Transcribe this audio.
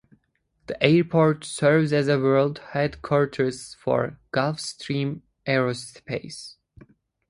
The airport serves as world headquarters for Gulfstream Aerospace.